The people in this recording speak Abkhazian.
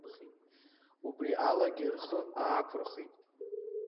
Убри алагьы рхы аақәырхит.